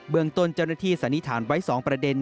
เมืองต้นเจ้าหน้าที่สันนิษฐานไว้๒ประเด็น